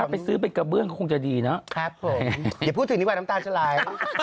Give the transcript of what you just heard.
ไปซื้อเป็นกระเบื้องก็คงจะดีเนาะอย่าพูดถึงดีกว่าน้ำตาลจะลาย